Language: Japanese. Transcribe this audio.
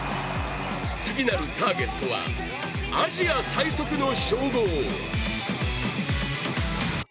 次なるターゲットはアジア最速の称号。